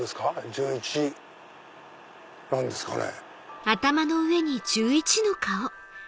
１１なんですかね。